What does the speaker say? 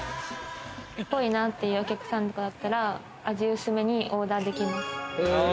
濃いなっていうお客さんだったら、味薄めにオーダーできます。